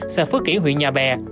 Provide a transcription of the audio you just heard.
xã phước kiển huyện nhà bè